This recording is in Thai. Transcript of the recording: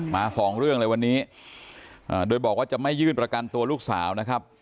สองเรื่องเลยวันนี้โดยบอกว่าจะไม่ยื่นประกันตัวลูกสาวนะครับ